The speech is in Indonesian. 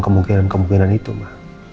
kemungkinan kemungkinan itu ma